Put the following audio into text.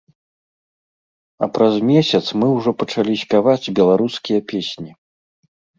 А праз месяц мы ўжо пачалі спяваць беларускія песні.